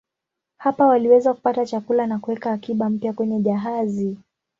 Hapa waliweza kupata chakula na kuweka akiba mpya kwenye jahazi.